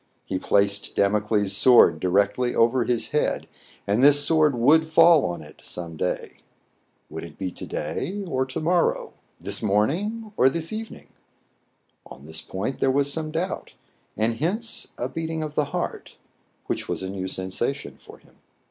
He placed Damocles* sword directly over his head, and this sword would fall on it some day. Would WILL NOT SURPRISE THE READER, 93 it be to day or to morrow? this morning, or this evening ? On this point there was some doubt ; and hence a beating of the heart, which was a new sensation for him.